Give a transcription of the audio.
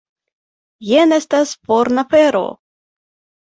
Jen estas forna fero!